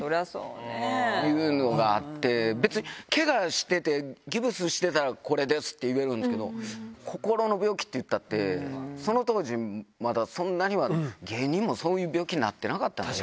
なんかね、恥ずかしいっていうのがあって、別にけがしててギプスしてたら、これですって言えるんですけど、心の病気っていったって、その当時まだそんなには、芸人もそういう病気になってなかったので。